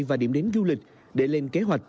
và điểm đến du lịch để lên kế hoạch